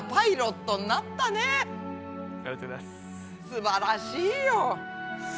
すばらしいよ。